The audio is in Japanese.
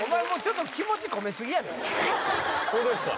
ホントですか？